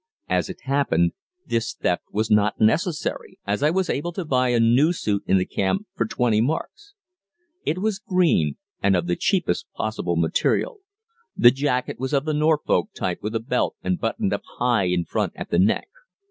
As it happened, this theft was not necessary, as I was able to buy a new suit in the camp for 20 marks. It was green, and of the cheapest possible material; the jacket was of the Norfolk type with a belt, and buttoned up high in front at the neck.